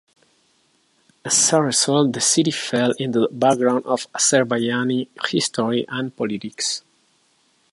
As a result, the city fell into the background of Azerbaijani history and politics.